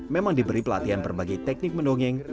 memang diberi pelatihan berbagai teknik mendongeng